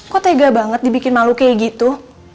kok tega banget dibikin malu kayak gitu